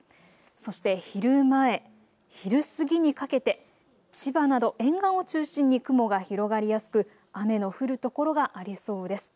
そして昼前、昼過ぎにかけて千葉など沿岸を中心に雲が広がりやすく雨の降る所がありそうです。